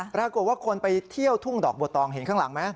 ปรากฏว่าคนไปเที่ยวทุ่งดอกบัวตองเห็นข้างหลังไหม